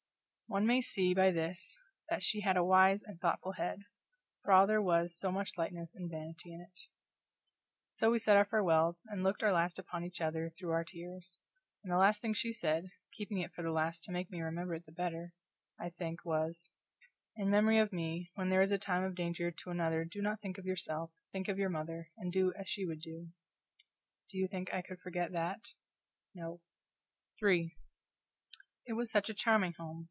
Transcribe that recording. One may see by this that she had a wise and thoughtful head, for all there was so much lightness and vanity in it. So we said our farewells, and looked our last upon each other through our tears; and the last thing she said keeping it for the last to make me remember it the better, I think was, "In memory of me, when there is a time of danger to another do not think of yourself, think of your mother, and do as she would do." Do you think I could forget that? No. CHAPTER III It was such a charming home!